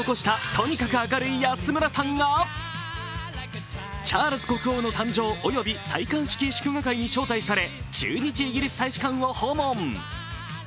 とにかく明るい安村さんがチャールズ国王の誕生及び戴冠式祝賀会に招待され駐日イギリス大使館を訪問。